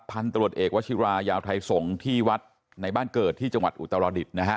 พันตรวจเอกวชิรายาวไทยสงฆ์ที่วัดในบ้านเกิดที่จังหวัดอุตรดิษฐ์นะฮะ